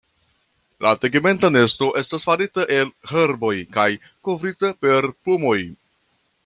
La tegmenta nesto estas farita el herboj kaj kovrita per plumoj.